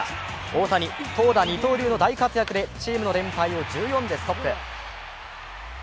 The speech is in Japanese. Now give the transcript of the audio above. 大谷、投打二刀流の大活躍でチームの連敗を１４でストップ。